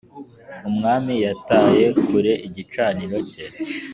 Umwami yataye kure igicaniro cye.